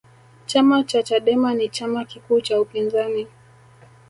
chama cha chadema ni chama kikuu cha upinzani